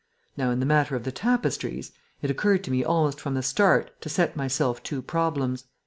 Now, in the matter of the tapestries, it occurred to me almost from the start to set myself two problems.